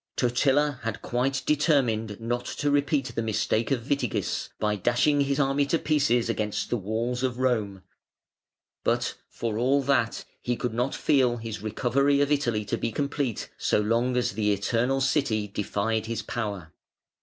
Totila had quite determined not to repeat the mistake of Witigis, by dashing his army to pieces against the walls of Rome, but, for all that, he could not feel his recovery of Italy to be complete so long as the Eternal City defied his power.